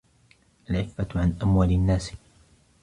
الْعِفَّةُ عَنْ أَمْوَالِ النَّاسِ